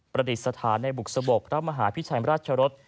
ประดิษฐานในบุกสะบกพระมหาพิชัยราชรส